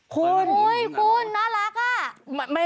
คุณน่ารักอะ